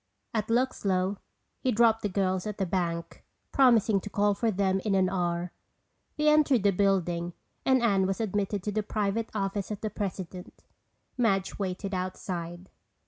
At Luxlow he dropped the girls at the bank, promising to call for them in an hour. They entered the building and Anne was admitted to the private office of the president. Madge waited outside.